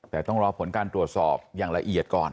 แต่ต้องรอผลการตรวจสอบอย่างละเอียดก่อน